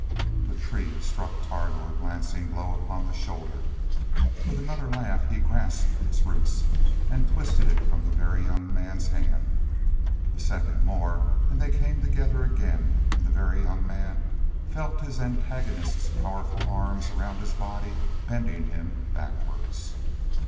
The tree struck Targo a glancing blow upon the shoulder. With another laugh he grasped its roots and twisted it from the Very Young Man's hand. A second more and they came together again, and the Very Young Man felt his antagonist's powerful arms around his body, bending him backwards.